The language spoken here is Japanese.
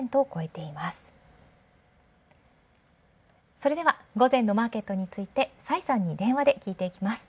それでは午前のマーケットについて崔さんに電話で聞いていきます。